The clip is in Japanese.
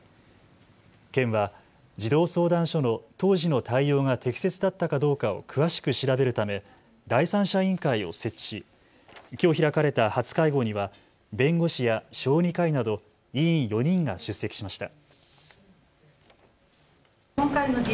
県は児童相談所の当時の対応が適切だったかどうかを詳しく調べるため第三者委員会を設置しきょう開かれた初会合には弁護士や小児科医など委員４人が出席しました。